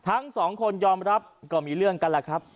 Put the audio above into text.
ทั้งสองคนยอมรับก็มีเรื่องกันแหละครับ